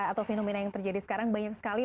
atau fenomena yang terjadi sekarang banyak sekali